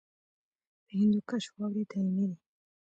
د هندوکش واورې دایمي دي